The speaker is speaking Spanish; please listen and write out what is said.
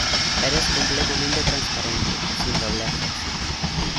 eres completamente transparente, sin dobleces.